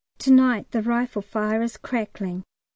Tonight the rifle firing is crackling.